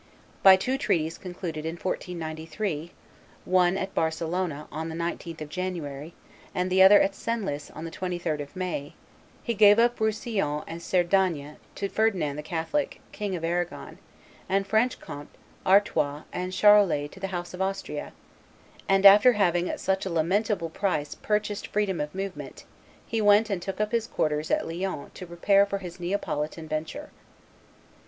By two treaties concluded in 1493 [one at Barcelona on the 19th of January and the other at Senlis on the 23d of May], he gave up Roussillon and Cerdagne to Ferdinand the Catholic, King of Arragon, and Franche Comte, Artois, and Charolais to the house of Austria, and, after having at such a lamentable price purchased freedom of movement, he went and took up his quarters at Lyons to prepare for his Neapolitan venture.